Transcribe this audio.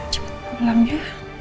cepet pulang ya